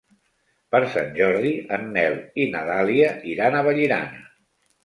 Per Sant Jordi en Nel i na Dàlia iran a Vallirana.